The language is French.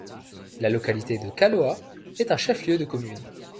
La localité de Kaloa est un chef-lieu de commune.